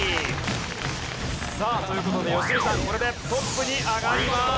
さあという事で良純さんこれでトップに上がります。